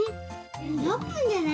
６分じゃない？